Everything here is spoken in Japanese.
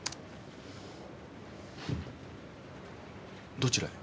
どちらへ？